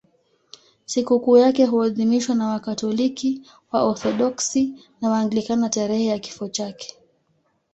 Sikukuu yake huadhimishwa na Wakatoliki, Waorthodoksi na Waanglikana tarehe ya kifo chake.